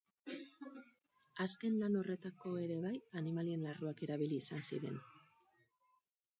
Azken lan horretako ere bai animalien larruak erabili izan ziren.